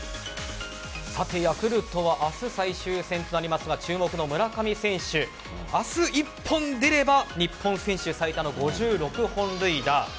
ヤクルトは明日最終戦となりますが注目の村上選手明日、１本出れば日本選手最多の５６本塁打。